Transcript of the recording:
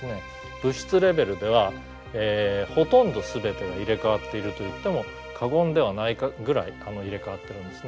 物質レベルではほとんど全てが入れ代わっていると言っても過言ではないぐらい入れ代わってるんですね。